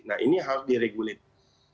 nah ini hal di regulate